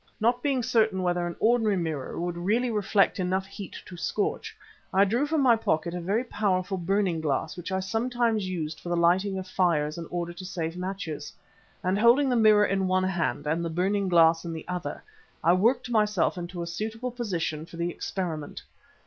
Not being certain whether an ordinary mirror would really reflect enough heat to scorch, I drew from my pocket a very powerful burning glass which I sometimes used for the lighting of fires in order to save matches, and holding the mirror in one hand and the burning glass in the other, I worked myself into a suitable position for the experiment.